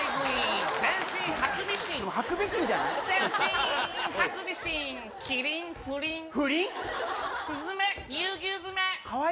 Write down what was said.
ハクビシンじゃない。